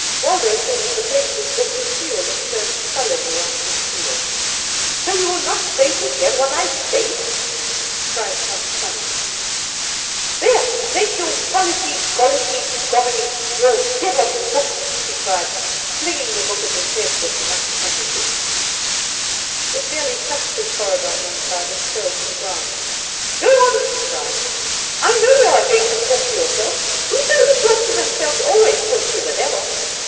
Waldo saw that the fate of his book was sealed, and turned sullenly on his heel. "So you will not stay to hear what I say!" cried Tant Sannie. "There, take your Polity gollity gominy, your devil's book!" she cried, flinging the book at his head with much energy. It merely touched his forehead on one side and fell to the ground. "Go on," she cried; "I know you are going to talk to yourself. People who talk to themselves always talk to the devil.